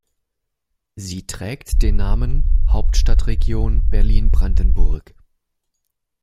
Sie trägt den Namen Hauptstadtregion Berlin-Brandenburg.